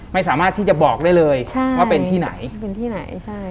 ไม่สามารถที่จะบอกได้เลยใช่ว่าเป็นที่ไหนเป็นที่ไหนใช่